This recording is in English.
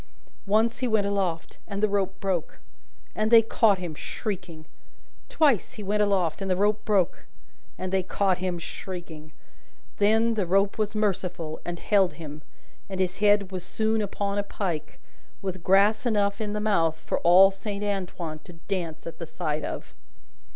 Once, he went aloft, and the rope broke, and they caught him shrieking; twice, he went aloft, and the rope broke, and they caught him shrieking; then, the rope was merciful, and held him, and his head was soon upon a pike, with grass enough in the mouth for all Saint Antoine to dance at the sight of.